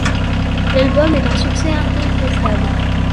L'album est un succès incontestable.